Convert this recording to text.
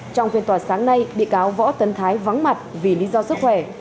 trong phiên tòa sáng nay bị cáo võ tấn thái vắng mặt vì lý do sức khỏe